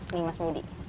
ini mas budi